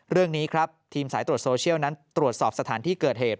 เรื่องนี้ครับทีมสายตรวจโซเชียลนั้นตรวจสอบสถานที่เกิดเหตุ